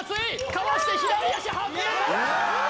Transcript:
かわして左足はずれた！